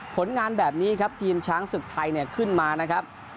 ผลงานแบบนี้ครับทีมช้างศึกไทยเนี่ยขึ้นมานะครับ